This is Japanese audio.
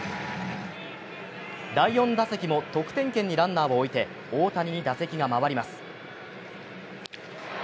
第４打席も得点圏にランナーを置いて大谷に打席が回ります。